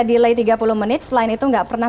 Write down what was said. delay tiga puluh menit selain itu nggak pernah